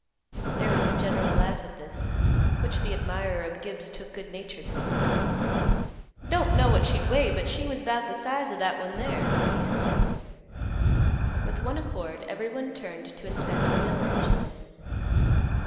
There was a general laugh at this, which the admirer of Gibbs took good naturedly; "Don't know what she'd weigh but she was 'bout the size o' that one there," he answered. With one accord everyone turned to inspect the mill engine.